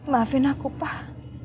maafin aku pak